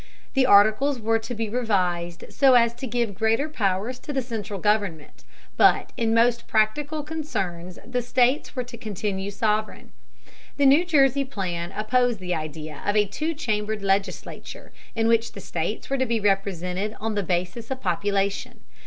The Articles were to be revised so as to give greater powers to the central government, but in most practical concerns the states were to continue sovereign. The New Jersey plan opposed the idea of a two chambered legislature in which the states were to be represented on the basis of population.